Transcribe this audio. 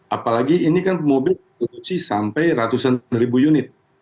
apalagi ini kan mobil produksi sampai ratusan ribu unit